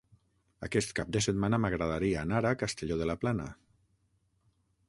Aquest cap de setmana m'agradaria anar a Castelló de la Plana.